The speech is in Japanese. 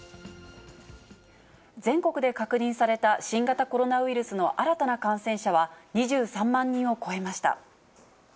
全国で確認された新型コロナウイルスの新たな感染者は、２３万人を超えました。